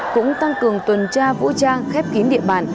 cũng tăng cường tuần tra vũ trang khép kín địa bàn